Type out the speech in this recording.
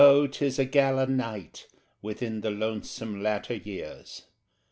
'tis a gala night Within the lonesome latter years!